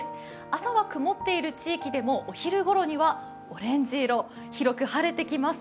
朝は曇っている地域でも、お昼ごろにはオレンジ色、広く晴れてきます。